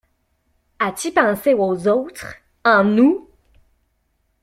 As-tu pensé aux autres, à nous?